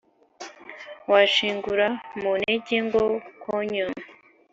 Washingura, mu ntege ngo « konyo »!